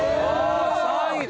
３位だ！